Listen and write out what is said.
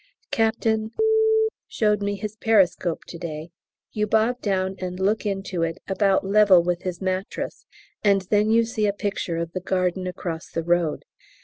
Captain showed me his periscope to day; you bob down and look into it about level with his mattress, and then you see a picture of the garden across the road.